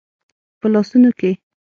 په لاسونو کې